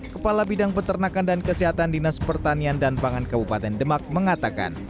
kepala bidang peternakan dan kesehatan dinas pertanian dan pangan kabupaten demak mengatakan